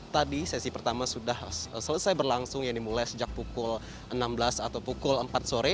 tadi sesi pertama sudah selesai berlangsung yang dimulai sejak pukul enam belas atau pukul empat sore